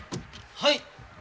はい。